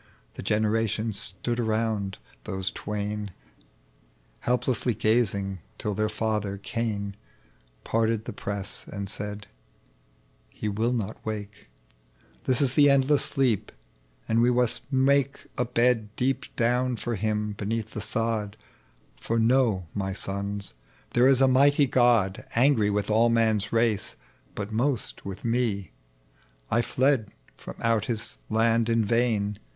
Tbe generations stood around those twain Helplessly gazing, till their father Cain Parted the press, and said, '' He will not wake ; This is the endless sleep, and we must make A bed deep down for bim beneath tbe sod ; For know, my sons, there is a mighty God Angry with all man's ra«o, bat most with me. I fled from out His land in vain